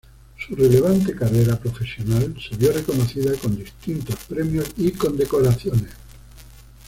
Su relevante carrera profesional se vio reconocida con distintos premios y condecoraciones.